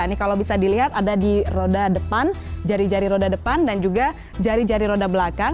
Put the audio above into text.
ini kalau bisa dilihat ada di roda depan jari jari roda depan dan juga jari jari roda belakang